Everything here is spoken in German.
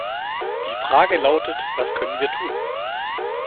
Die Frage lautet, was können wir tun?